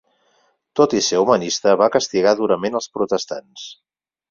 Tot i ser humanista, va castigar durament els protestants.